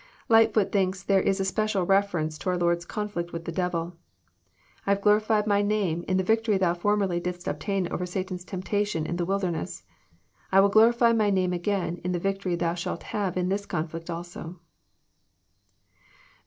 Lightfoot thinks there is a special reference to our Lord's conflict with the devil. I have glorified my name in the vic tory Thou formerly didst obtain over Satan's temptation in the 'Wilderness. I will glorify my name again, in the victory Thou Shalt have in this conflict also."